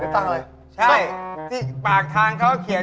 เสียตังค์อะไร